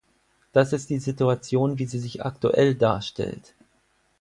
Das ist die Situation, wie sie sich aktuell darstellt.